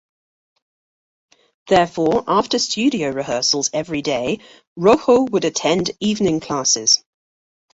Therefore, after studio rehearsals every day, Rojo would attend evening classes.